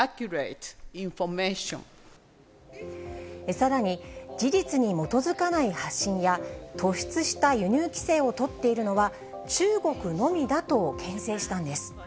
さらに、事実に基づかない発信や、突出した輸入規制を取っているのは中国のみだとけん制したんです。